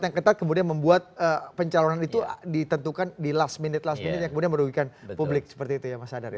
jadi buat pencalonan itu ditentukan di last minute last minute ya kemudian merugikan publik seperti itu ya mas adar ya